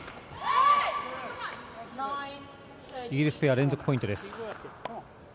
イギリスペア連続ポイントです。